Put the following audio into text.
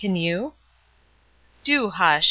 Can you?" "Do hush!"